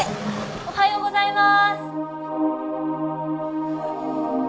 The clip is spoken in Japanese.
おはようございます。